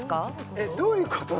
えっどういうこと？